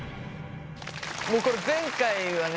もうこれ前回はね